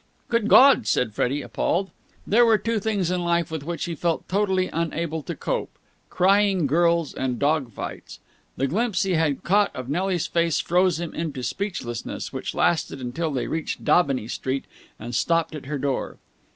"Good God!" said Freddie appalled. There were two things in life with which he felt totally unable to cope crying girls and dog fights. The glimpse he had caught of Nelly's face froze him into a speechlessness which lasted until they reached Daubeny Street and stopped at her door.